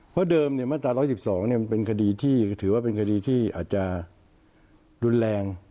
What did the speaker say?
เพราะเดิมมาตรา๑๑๒มันเป็นคดีที่ถือว่าเป็นคดีที่อาจจะรุนแรง